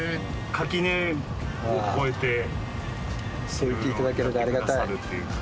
そう言って頂けるとありがたい。